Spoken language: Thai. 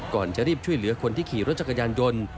ก่อนจะรีบช่วยเหลือคนที่ขี่รถจักรยานยนต์